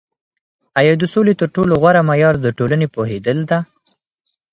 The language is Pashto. آیا د سولي تر ټولو غوره معیار د ټولني پوهیدل ده؟